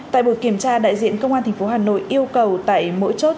tại buổi kiểm tra đại diện công an thành phố hà nội yêu cầu tại mỗi chốt